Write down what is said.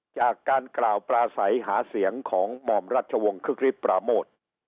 จากการกล่าวปราศัยหาเสียงของหม่อมรัชวงศึกฤทธปราโมท